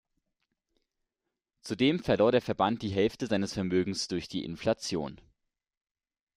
Zudem verlor der Verband die Hälfte seines Vermögens durch die Inflation.